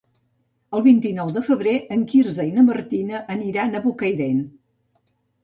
El vint-i-nou de febrer en Quirze i na Martina aniran a Bocairent.